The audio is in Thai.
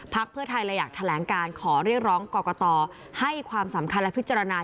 เพื่อไทยเลยอยากแถลงการขอเรียกร้องกรกตให้ความสำคัญและพิจารณา